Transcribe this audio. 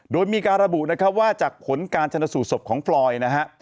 โดยมีการระบุนะครับว่าจากผลการชนสูตรศพของฟลอยนะฮะ